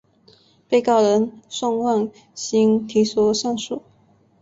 被告人宋万新提出上诉。